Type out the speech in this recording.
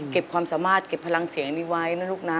ความสามารถเก็บพลังเสียงนี้ไว้นะลูกนะ